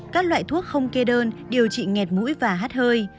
các loại thuốc không kê đơn điều trị nghẹt mũi và hát hơi